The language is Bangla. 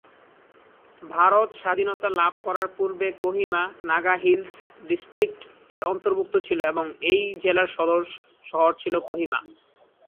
ভারত স্বাধীনতা লাভ করার পূর্বে কোহিমা ‘নাগা হিলস ডিস্ট্রিক্ট’-এর অন্তর্ভুক্ত ছিল এবং এই জেলার সদর শহর ছিল কোহিমা।